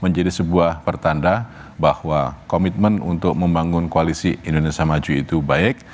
menjadi sebuah pertanda bahwa komitmen untuk membangun koalisi indonesia maju itu baik